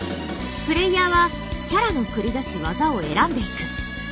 プレイヤーはキャラの繰り出す技を選んでいく。